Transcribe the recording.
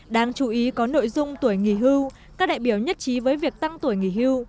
đáng chú ý có nội dung tuổi nghỉ hưu các đại biểu nhất trí với việc tăng tuổi nghỉ hưu